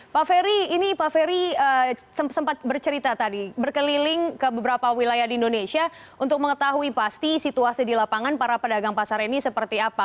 pak ferry ini pak ferry sempat bercerita tadi berkeliling ke beberapa wilayah di indonesia untuk mengetahui pasti situasi di lapangan para pedagang pasar ini seperti apa